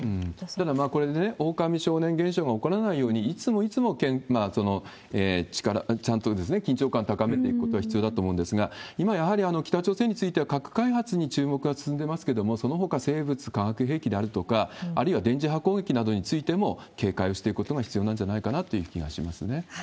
ただ、これね、オオカミ少年現象が起こらないように、いつもいつもちゃんと緊張感を高めていくことは必要だと思うんですが、今やはり北朝鮮については、核開発に注目が進んでますけれども、そのほか、生物・化学兵器であるとか、あるいは電磁波攻撃などについても、警戒をしていくことが必要なんじゃないかなという気がしますね。